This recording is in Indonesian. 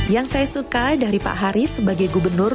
yang saya sukai dari pak haris sebagai gubernur